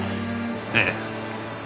ええ。